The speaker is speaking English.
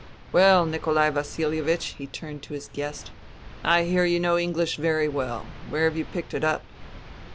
Well, Nikolai VasiHevich," he turned to his guest. " I hear you know English very w^ell. Where have you picked it up